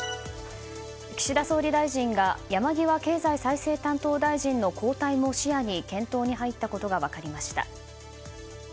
岸田総理大臣が山際経済再生担当大臣の交代も視野に検討に入ったことが分かりました。